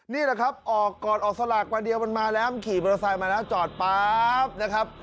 นี่แหละครับออกก่อนออกสลากวันเดียวมันมาแล้วมันขี่มอเตอร์ไซค์มาแล้วจอดป๊าบนะครับ